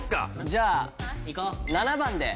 じゃあ７番で。